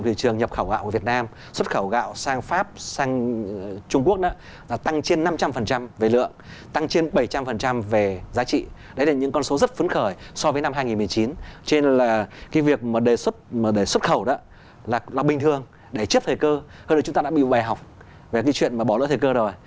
hơn là chúng ta đã bị bè học về cái chuyện mà bỏ lỡ thời cơ rồi